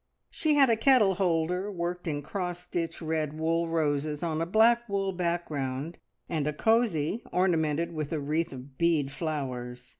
She had a kettle holder worked in cross stitch red wool roses on a black wool background and a cosy ornamented with a wreath of bead flowers.